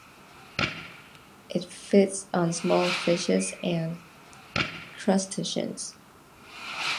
It feeds on small fishes and crustaceans.